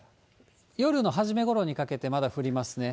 夜の初めごろにかけてまだ降りますね。